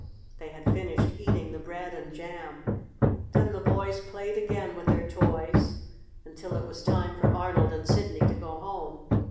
They had finished eating the bread and jam. Then the boys played again with their toys until it was time for Arnold and Sidney to go home.